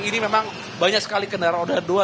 ini memang banyak sekali kendaraan roda dua